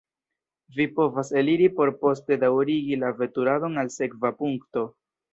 Vi povas eliri por poste daŭrigi la veturadon al sekva punkto.